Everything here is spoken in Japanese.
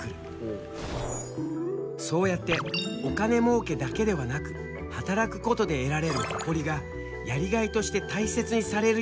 そうやってお金もうけだけではなく働くことで得られる誇りがやりがいとして大切にされるようにもなってきたんだ。